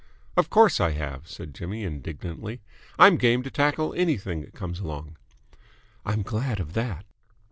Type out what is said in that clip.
"Of course I have," said Jimmy indignantly. "I'm game to tackle anything that comes along." "I'm glad of that."